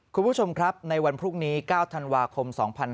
คุณผู้ชมครับในวันพรุ่งนี้๙ธันวาคม๒๕๖๒